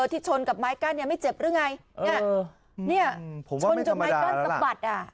ที่ชนกับไม้กั้นเนี่ยไม่เจ็บหรือไงเนี่ยชนจนไม้กั้นสะบัดอ่ะ